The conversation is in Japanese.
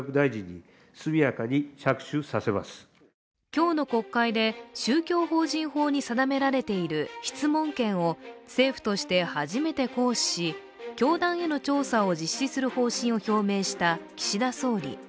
今日の国会で、宗教法人法に定められている質問権を政府として初めて行使し教団への調査を実施する方針を表明した岸田総理。